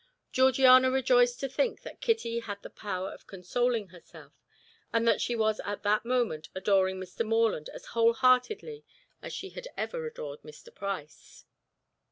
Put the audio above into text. Georgiana rejoiced to think that Kitty had the power of consoling herself, and that she was at that moment adoring Mr. Morland as whole heartedly as she had ever adored Mr. Price.